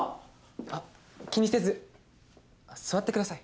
あっ気にせず座ってください。